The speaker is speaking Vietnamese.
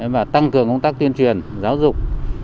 và tăng cường công tác tuyên truyền giáo dục